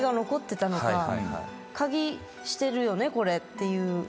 「鍵してるよねこれ」っていう。